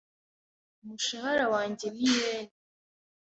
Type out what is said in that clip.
Umushahara wanjye ni yen .